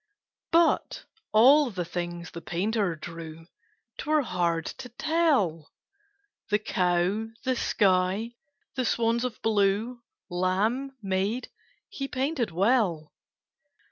But all the things the painter drew 'Twere hard to tell The cow, the sky, the swans of blue, Lamb, maid, he painted well.